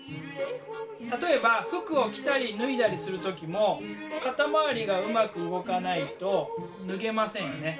例えば服を着たり脱いだりする時も肩回りがうまく動かないと脱げませんよね。